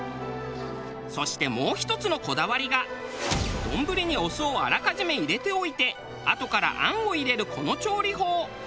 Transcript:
そしてもう１つのこだわりが丼にお酢をあらかじめ入れておいてあとから餡を入れるこの調理法。